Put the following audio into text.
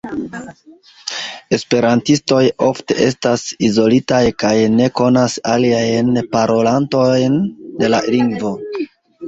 Esperantistoj ofte estas izolitaj kaj ne konas aliajn parolantojn de la lingvo.